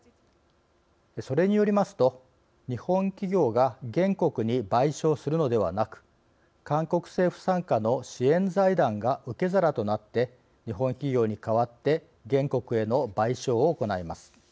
それによりますと、日本企業が原告に賠償するのではなく韓国政府傘下の支援財団が受け皿となって日本企業に代わって原告への賠償を行います。